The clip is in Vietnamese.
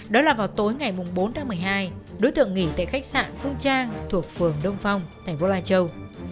đó là vào tối ngày bốn tháng một mươi hai đối tượng nghỉ tại khách sạn phương trang thuộc phường đông phong thành phố lai châu